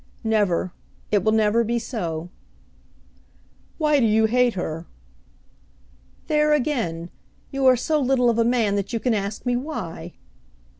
"Never. It will never be so." "Why do you hate her?" "There again! You are so little of a man that you can ask me why!"